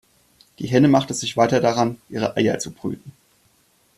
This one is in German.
Die Henne machte sich weiter daran, ihre Eier zu brüten.